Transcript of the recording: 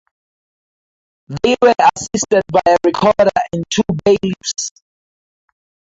They were assisted by a Recorder and two Bailiffs.